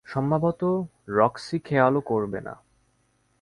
সম্ভবত রক্সি খেয়ালও করবে না।